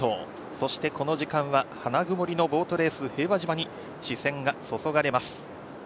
そしてこの時間は花曇りのボートレース、ボートレース平和島に視線が注がれます。